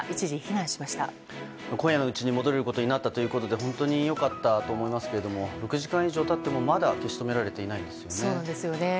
今夜のうちに戻れることになったということで本当に良かったと思いますけど６時間以上経ってもまだ消し止められていないんですよね。